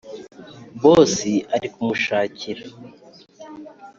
boss ari kumushakira.